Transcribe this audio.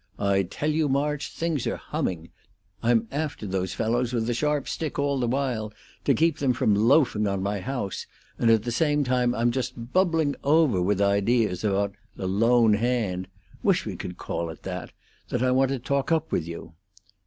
I tell you, March, things are humming. I'm after those fellows with a sharp stick all the while to keep them from loafing on my house, and at the same time I'm just bubbling over with ideas about 'The Lone Hand' wish we could call it that! that I want to talk up with you."